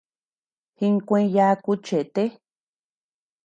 Jinkuee yaaku chete.